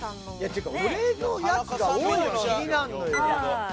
っていうか俺のやつが多いの気になるのよ。